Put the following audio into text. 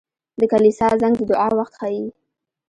• د کلیسا زنګ د دعا وخت ښيي.